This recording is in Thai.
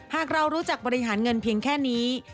หากเรารู้จักบริหารเงินเพียงแค่นี้